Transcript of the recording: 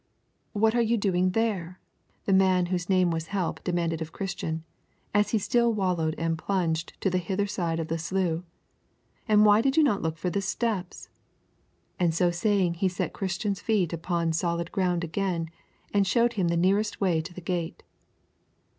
'What are you doing there?' the man whose name was Help demanded of Christian, as he still wallowed and plunged to the hither side of the slough, 'and why did you not look for the steps?' And so saying he set Christian's feet upon sound ground again, and showed him the nearest way to the gate.